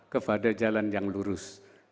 kepada jalan yang lurus